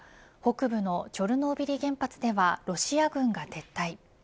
北部のチョルノービリ原発ではロシア軍が撤退。